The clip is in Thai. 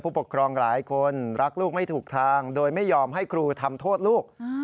ปกครองหลายคนรักลูกไม่ถูกทางโดยไม่ยอมให้ครูทำโทษลูก